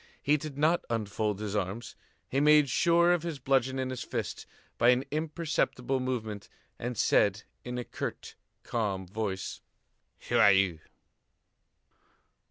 He did not unfold his arms, he made sure of his bludgeon in his fist, by an imperceptible movement, and said in a curt, calm voice: "Who are you?"